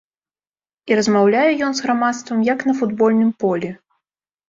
І размаўляе ён з грамадствам як на футбольным полі.